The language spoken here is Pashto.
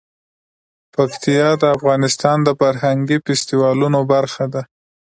پکتیکا د افغانستان د فرهنګي فستیوالونو برخه ده.